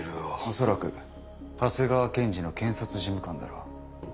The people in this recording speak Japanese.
恐らく長谷川検事の検察事務官だろう。